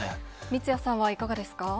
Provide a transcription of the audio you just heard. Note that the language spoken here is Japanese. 三屋さんはいかがですか。